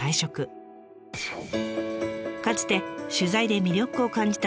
かつて取材で魅力を感じた